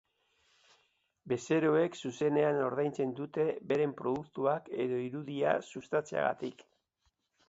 Bezeroek zuzenean ordaintzen dute beren produktuak edo irudia sustatzeagatik.